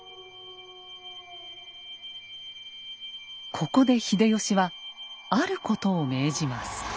ここで秀吉はあることを命じます。